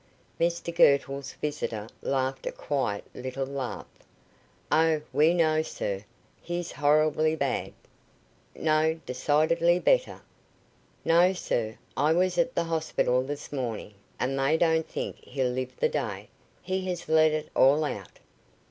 Mr Girtle's visitor laughed a quiet little laugh. "Oh, we know, sir. He's horribly bad." "No; decidedly better." "No, sir. I was at the hospital this morning, and they don't think he'll live the day. He has let it all out."